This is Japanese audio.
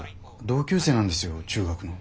同級生なんですよ中学の。